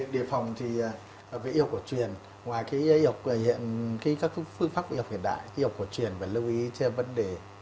đề phòng thì về y học cổ truyền ngoài các phương pháp y học hiện đại y học cổ truyền phải lưu ý cho vấn đề